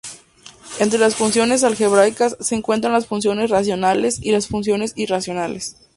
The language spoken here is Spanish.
Entre las funciones algebraicas se encuentran las funciones racionales y las funciones irracionales.